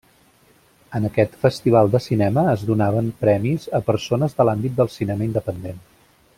En aquest festival de cinema es donaven premis a persones de l'àmbit del cinema independent.